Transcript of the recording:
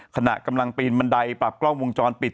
ขณะกำลังปีนบันไดปรับกล้องวงจรปิด